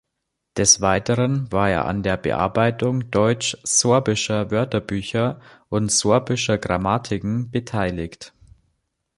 Des Weiteren war er an der Bearbeitung deutsch-sorbischer Wörterbücher und sorbischer Grammatiken beteiligt.